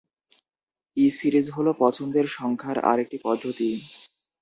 E-series হল পছন্দের সংখ্যার আরেকটি পদ্ধতি।